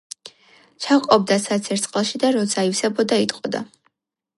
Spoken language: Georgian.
ჩაჰყოფდა საცერს წყალში, და როცა აივსებოდა, იტყოდა.